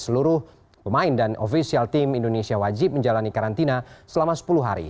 seluruh pemain dan ofisial tim indonesia wajib menjalani karantina selama sepuluh hari